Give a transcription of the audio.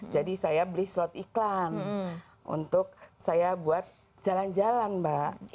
jadi saya beli slot iklan untuk saya buat jalan jalan mbak